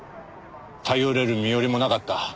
頼れる身寄りもなかった。